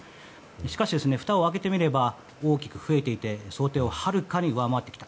しかし、ふたを開けてみれば大きく増えていて想定をはるかに上回ってきた。